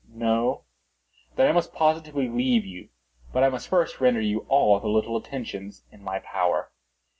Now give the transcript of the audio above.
No? Then I must positively leave you. But I must first render you all the little attentions in my power."